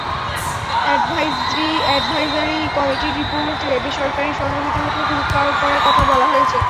Advisory কমিটির রিপোর্টে বেসরকারি সহযোগিতার ওপর গুরুত্ব আরোপ করার কথা বলা হয়েছে।